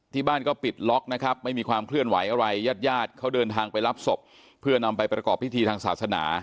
ที่บ้านก็ปิดล็อกนะครับไม่มีความเคลื่อนไหวอะไรญาติญาติเขาเดินทางไปรับศพเพื่อนำไปประกอบพิธีทางศาสนา